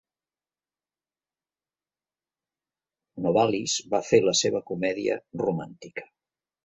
Novalis va fer la seva comèdia romàntica.